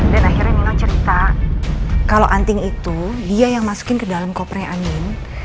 dan akhirnya nino cerita kalau anting itu dia yang masukin ke dalam kopernya andin